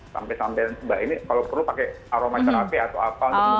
sampai mbak ini kalau perlu pakai aromaterapi atau apel